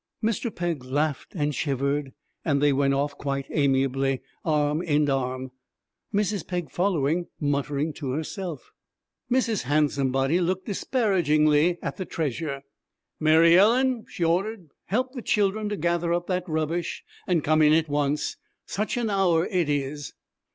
Mr. Pegg laughed and shivered, and they went off quite amiably, arm in arm, Mrs. Pegg following, muttering to herself. Mrs. Handsomebody looked disparagingly at the treasure. 'Mary Ellen,' she ordered, 'help the children to gather up that rubbish, and come in at once! Such an hour it is!'